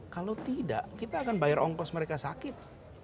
kalau tidak kita akan bayar ongkos mereka sakit